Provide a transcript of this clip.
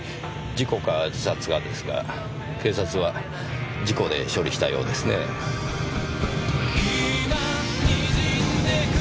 事故か自殺かですが警察は事故で処理したようですねぇ。